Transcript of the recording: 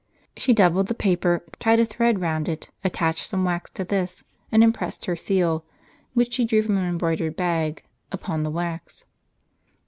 She doubled the paper, tied a thread round it, attached some wax to this, and impressed her seal, which she drew from an embroidered bag, upon the wax.